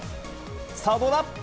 さあ、どうだ。